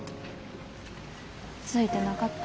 ついてなかった？